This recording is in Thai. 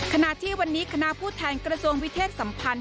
ขณะที่วันนี้คณะผู้แทนกระทรวงวิเทศสัมพันธ์